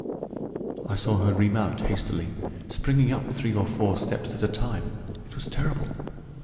I saw her remount hastily, springing up three or four steps at a time it was terrible.